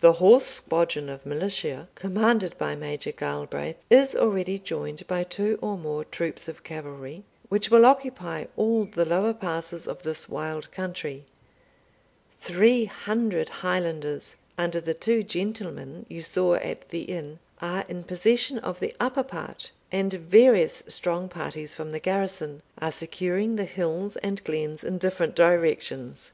The horse squadron of militia, commanded by Major Galbraith, is already joined by two or more troops of cavalry, which will occupy all the lower passes of this wild country; three hundred Highlanders, under the two gentlemen you saw at the inn, are in possession of the upper part, and various strong parties from the garrison are securing the hills and glens in different directions.